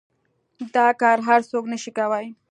دا کار هر سوک نشي کواى.